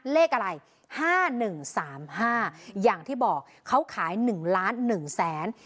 เลขอะไร๕๑๓๕อย่างที่บอกเขาขาย๑ล้าน๑แสน